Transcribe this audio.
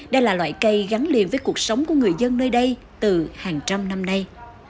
đây là loại cây gắn liền với cuộc sống của người dân nơi đây từ hàng trăm năm nay